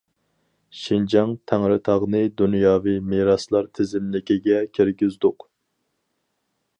شىنجاڭ تەڭرىتاغنى دۇنياۋى مىراسلار تىزىملىكىگە كىرگۈزدۇق.